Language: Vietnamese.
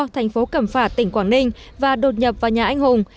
thành phố cẩm phả tỉnh quảng ninh và đột nhập vào nhà anh hùng